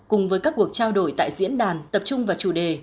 cùng với các cuộc trao đổi tại diễn đàn tập trung vào chủ đề